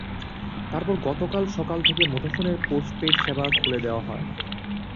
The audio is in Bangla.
তারপর গতকাল সকাল থেকে মুঠোফোনের পোস্ট পেইড সেবা খুলে দেওয়া হয়।